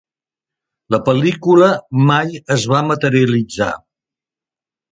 La pel·lícula mai es va materialitzar.